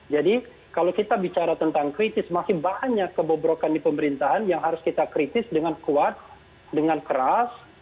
jadi kalau kita bicara tentang kritis masih banyak kebobrokan di pemerintahan yang harus kita kritis dengan kuat dengan keras